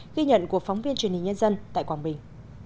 ghi nhận của phóng viên truyền hình nhân dân tại quảng bình